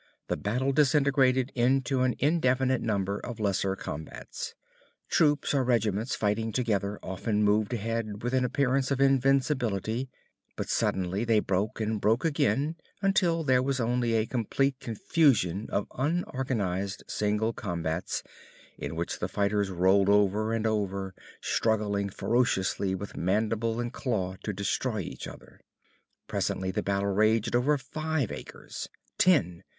The battle disintegrated into an indefinite number of lesser combats; troops or regiments fighting together often moved ahead with an appearance of invincibility, but suddenly they broke and broke again until there was only a complete confusion of unorganized single combats in which the fighters rolled over and over, struggling ferociously with mandible and claw to destroy each other. Presently the battle raged over five acres. Ten.